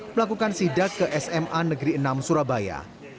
melakukan sidak ke sma negeri enam surabaya